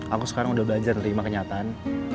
aku sekarang udah belajar nerima kenyataan